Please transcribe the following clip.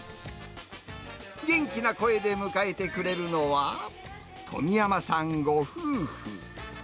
元気な声で迎えてくれるのは、富山さんご夫婦。